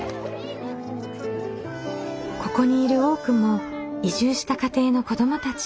ここにいる多くも移住した家庭の子どもたち。